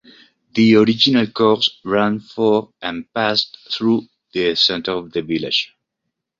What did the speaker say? The original course ran for and passed through the center of the village.